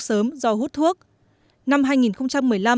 sớm do hút thuốc năm